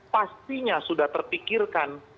pastinya sudah terpikirkan